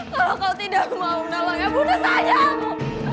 kalau kau tidak mau menahan ya bunuh saja aku